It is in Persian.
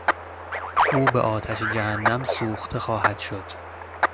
او به آتش جهنم سوخته خواهدشد!